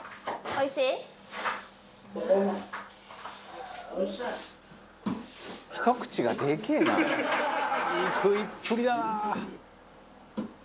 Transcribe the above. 「いい食いっぷりだなあ」